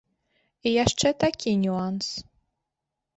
І яшчэ такі нюанс.